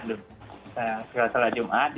ketika salat jumat